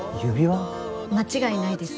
間違いないです。